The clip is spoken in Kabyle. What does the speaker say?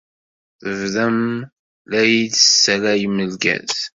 Tebdam la iyi-d-tessalayem lgaz.